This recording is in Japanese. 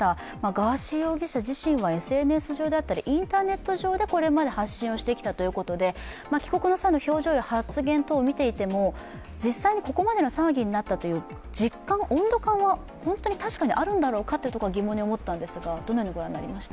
ガーシー容疑者自身はＳＮＳ上であったりインターネット上でこれまで発信をしてきたということで帰国の際の表情や発言等を見ていても、実際にここまでの騒ぎになったという実感、温度感は確かにあるんだろうかというところは疑問に思ったんですがどのようにご覧になりました？